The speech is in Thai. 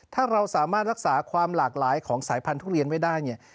ถ้าเราสามารถรักษาความหลากหลายของสายพันธุเรียนไว้ได้เนี่ย